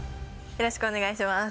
よろしくお願いします。